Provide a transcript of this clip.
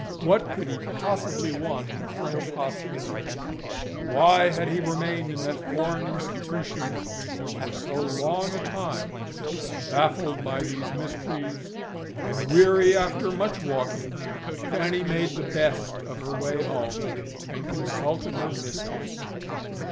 What could he possibly want in a French hospital? And why had he remained in that foreign institution for so long a time? Baffled by these mysteries, and weary after much walking, Fanny made the best of her way home, and consulted her mistress.